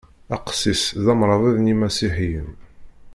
Aqessis d amrabeḍ n yimasiḥiyen.